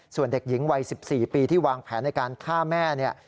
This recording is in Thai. ส่วนเด็กหญิงวัย๑๔ปีที่วางแผนในการฆ่าแม่เนี่ย